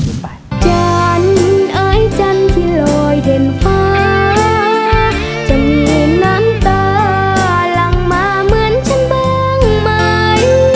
ปัจจันทร์อายจันทร์ที่ลอยเด่นฟ้าจะมีน้ำตาหลังมาเหมือนฉันบ้างไหม